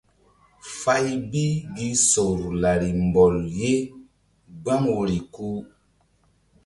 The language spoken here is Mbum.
Fay bi gi sor lari mbɔl ye gbam woyri ku.